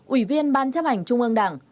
ủy viên ban chấp hành trung ương đảng